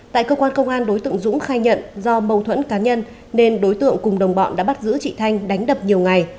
tại cơ quan công an đối tượng dũng khai nhận do mâu thuẫn cá nhân nên đối tượng cùng đồng bọn đã bắt giữ chị thanh đánh đập nhiều ngày